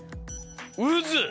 「うず」！